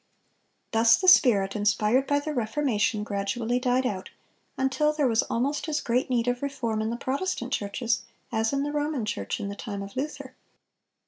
Thus the spirit inspired by the Reformation gradually died out, until there was almost as great need of reform in the Protestant churches as in the Roman Church in the time of Luther.